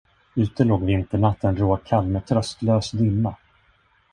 Ute låg vinternatten råkall med tröstlös dimma.